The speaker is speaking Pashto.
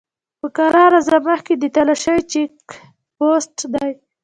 په کرار ځه! مخکې د تالاشی چيک پوسټ دی!